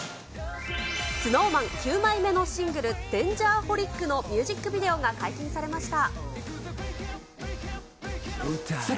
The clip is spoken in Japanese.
ＳｎｏｗＭａｎ９枚目のシングル、Ｄａｎｇｅｒｈｏｌｉｃのミュージックビデオが解禁されました。